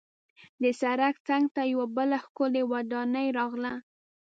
د سړک څنګ ته یوه بله ښکلې ودانۍ راغله.